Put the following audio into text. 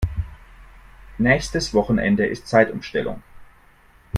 Nächstes Wochenende ist Zeitumstellung.